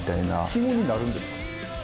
季語になるんですかね？